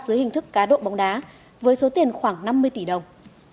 dưới hình thức cá độ bóng đá với số tiền khoảng năm mươi tỷ đồng